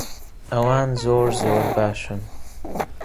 ئەوان زۆر زۆر باشن.